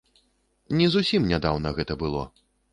Не зусім нядаўна гэта было.